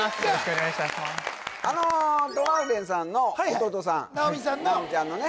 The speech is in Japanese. あのトラウデンさんの弟さん直美ちゃんのね